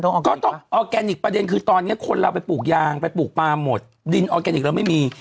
ก็ต้องออร์แกนิคประเด็นคือตอนนี้คนเราไปปลูกยางไปปลูกปลาหมดดินออร์แกนิคเราไม่มี